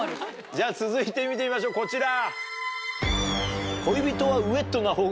じゃ続いて見てみましょうこちら。